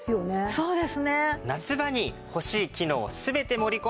そうですね。